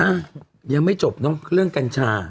อ่ะยังไม่จบเนอะเรื่องกัญชา